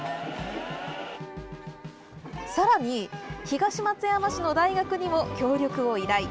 さらに東松山市の大学にも協力を依頼。